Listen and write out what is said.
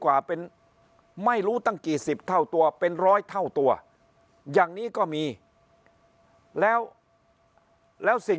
กว่าเป็นไม่รู้ตั้งกี่สิบเท่าตัวเป็นร้อยเท่าตัวอย่างนี้ก็มีแล้วแล้วสิ่ง